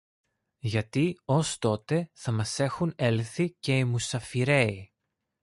Γιατί, ως τότε, θα μας έχουν έλθει και οι μουσαφιρέοι